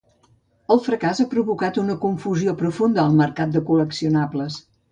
El fracàs ha provocat una confusió profunda al mercat de col·leccionables.